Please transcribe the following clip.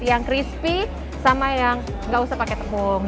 yang crispy sama yang nggak usah pakai tepung